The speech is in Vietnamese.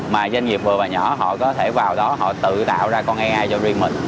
mà doanh nghiệp vừa và nhỏ họ có thể vào đó họ tự tạo ra con ai cho riêng mình